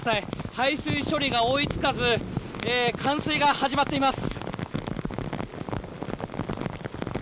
排水処理が追い付かず冠水が始まっています。